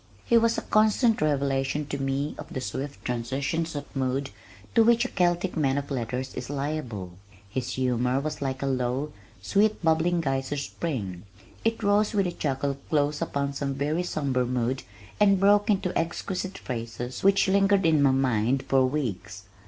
He was a constant revelation to me of the swift transitions of mood to which a Celtic man of letters is liable. His humor was like a low, sweet bubbling geyser spring. It rose with a chuckle close upon some very somber mood and broke into exquisite phrases which lingered in my mind for weeks.